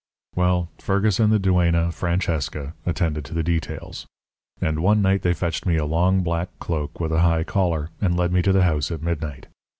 "Well, Fergus and the duenna, Francesca, attended to the details. And one night they fetched me a long black cloak with a high collar, and led me to the house at midnight.